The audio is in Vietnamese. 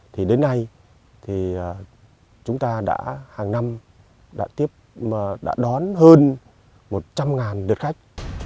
thì đến nay chúng ta đã hàng năm đón hơn một trăm linh được khách